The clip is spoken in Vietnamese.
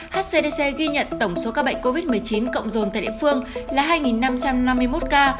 hcdc ghi nhận tổng số ca bệnh covid một mươi chín cộng rồn tại địa phương là hai năm trăm năm mươi một ca